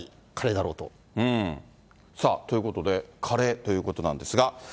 さあ、ということで、カレーということなんですが。